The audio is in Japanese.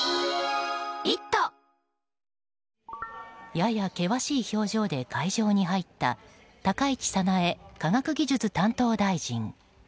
やや険しい表情で会場に入った高市早苗科学技術担当大臣。